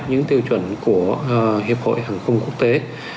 những tiêu chuẩn của hiệp hội hàng không quốc tế